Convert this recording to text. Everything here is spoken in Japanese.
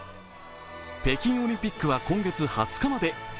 北京オリンピックは今月２０日まで。